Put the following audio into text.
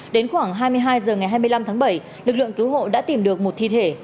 đến khoảng hai mươi hai h ngày hai mươi năm tháng bảy lực lượng cứu hộ đã tìm được một thi thể